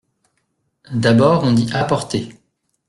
D’abord on dit apporter…